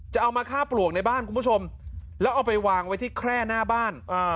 จะเอามาฆ่าปลวกในบ้านคุณผู้ชมแล้วเอาไปวางไว้ที่แคร่หน้าบ้าน